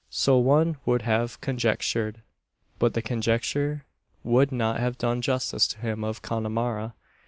So one would have conjectured. But the conjecture would not have done justice to him of Connemara.